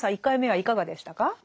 １回目はいかがでしたか？